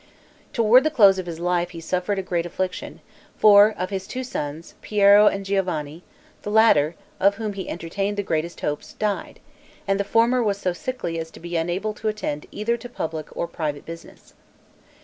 Toward the close of his life he suffered great affliction; for, of his two sons, Piero and Giovanni, the latter, of whom he entertained the greatest hopes, died; and the former was so sickly as to be unable to attend either to public or private business.